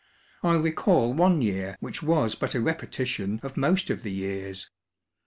I recall one year which was but a repetition of most of the years.